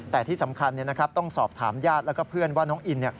แต่ที่สำคัญต้องสอบถามญาติแล้วก็เพื่อนว่าน้องอิน